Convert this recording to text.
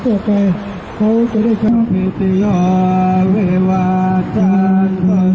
ที่เกี่ยวข้างหนึ่งที่เกี่ยวข้างหนึ่ง